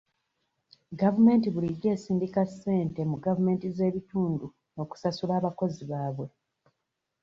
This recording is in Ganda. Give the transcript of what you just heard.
Gavumenti bulijjo esindika ssente mu gavumenti z'ebitundu okusasula abakozi babwe.